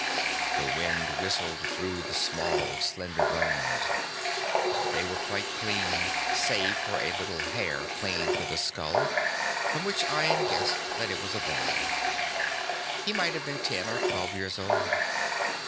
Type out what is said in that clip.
The wind whistled through the small slender bones. They were quite clean, save for a little hair clinging to the skull, from which Ian guessed that it was a boy. He might have been ten or twelve years old.